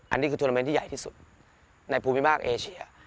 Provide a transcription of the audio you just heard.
อันนี้คือโทรเมนต์ที่ใหญ่ที่สุดในภูมิภาคเอเชีย